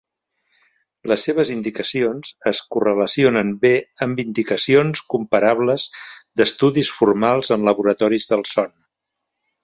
Les seves indicacions es correlacionen bé amb indicacions comparables d'estudis formals en laboratoris del son.